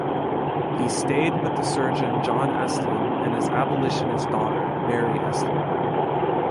He stayed with the surgeon John Estlin and his abolitionist daughter Mary Estlin.